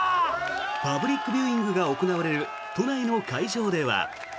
パブリックビューイングが行われる都内の会場では。